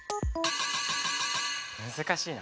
難しいな。